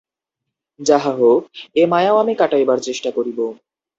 যাহাই হউক, এ মায়াও আমি কাটাইবার চেষ্টা করিব।